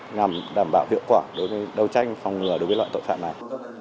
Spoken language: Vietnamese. nhằm đảm bảo hiệu quả đối với đấu tranh phòng ngừa đối với loại tội phạm này